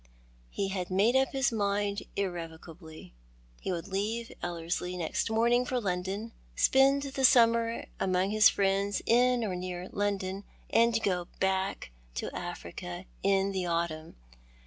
He had made up his mind irrevocably. Ho would leave Ellerslie next morning for London, spend the summer among his friends in or near London, and go back to Africa in the autumn.